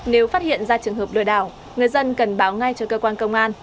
nếu phát hiện ra trường hợp lừa đảo người dân cần báo ngay cho cơ quan công an